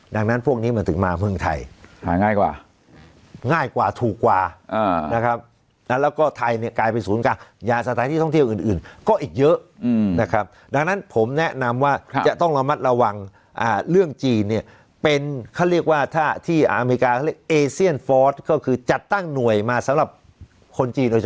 ดังนั้นพวกนี้มันถึงมาเพอร์เมืองไทย